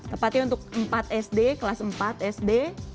tepatnya untuk empat sd kelas empat sd